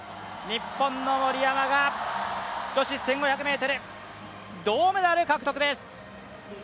日本の森山が女子１５００ｍ、銅メダル獲得です。